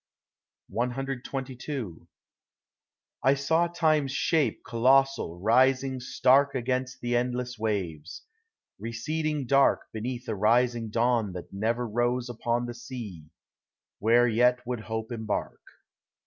CXXII I saw Time's shape colossal rising stark Against the endless waves, receding dark Beneath a rising dawn that never rose Upon the sea, where yet would Hope embark.